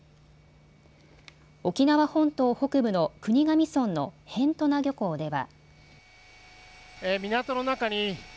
沖縄本島北部の国頭村の辺土名漁港では。